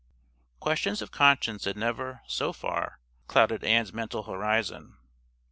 Questions of conscience had never, so far, clouded Ann's mental horizon.